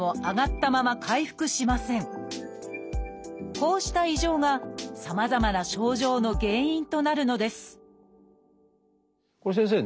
こうした異常がさまざまな症状の原因となるのですこれ先生ね